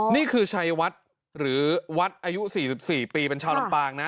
นี่คือชัยวัดหรือวัดอายุ๔๔ปีเป็นชาวลำปางนะ